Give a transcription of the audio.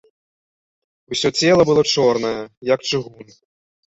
Усё цела было чорнае, як чыгун.